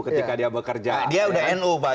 ketika dia bekerja dia udah nu pak